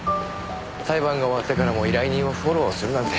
裁判が終わってからも依頼人をフォローするなんて。